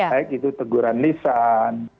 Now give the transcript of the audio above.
baik itu teguran lisan